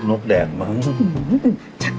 นกแดงมั้ง